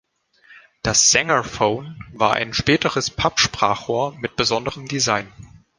Das Sengerphone war eine späteres Pappsprachrohr mit besonderem Design.